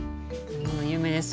有名ですよ